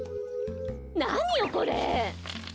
なによこれ！